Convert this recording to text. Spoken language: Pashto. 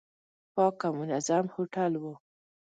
پاک او منظم هوټل و.